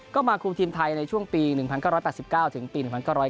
ก็มาคุมทีมไทยในช่วงปี๑๙๘๙ถึงปี๑๙๙